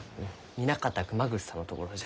南方熊楠さんのところじゃ。